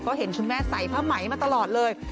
ก็เห็นคุณแม่ใส่ผ้าไหมมาตลอดเลย